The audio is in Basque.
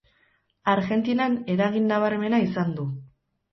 Argentinan eragin nabarmena izan du.